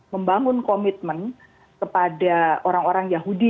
membangun komitmen kepada orang orang yahudi